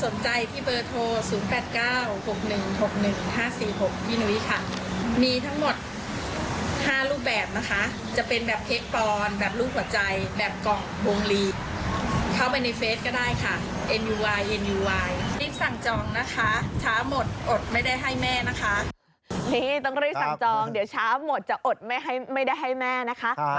นี่ต้องรีบสั่งจองเดี๋ยวเช้าหมดจะอดไม่ได้ให้แม่นะคะ